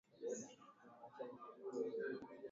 Ugonjwa huu huweza pia kusambazwa kwa njia ya hewa